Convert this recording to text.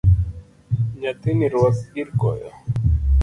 Nyathini ruak girkoyo.